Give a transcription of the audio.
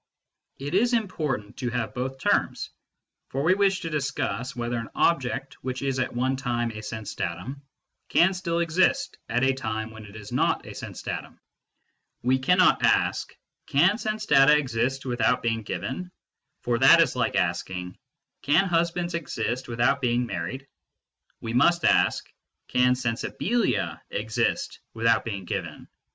It is important to have both terms ; for we wish to discuss whether an object which is at one time a sense datum can still exist at a time when it is not a sense datum. We cannot ask " Can sense data exist without being given ?" for that is like asking " Can husbands exist without being married ?" We must ask " Can sensibilia exist without being given